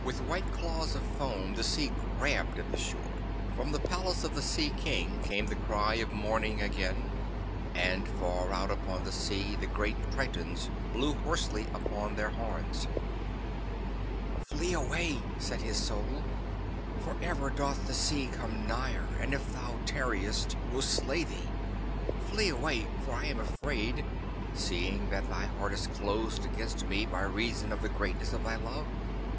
With white claws of foam the sea grabbled at the shore. From the palace of the Sea King came the cry of mourning again, and far out upon the sea the great Tritons blew hoarsely upon their horns. 'Flee away,' said his Soul, 'for ever doth the sea come nigher, and if thou tarriest it will slay thee. Flee away, for I am afraid, seeing that thy heart is closed against me by reason of the greatness of thy love.